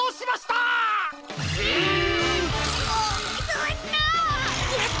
そんなっ！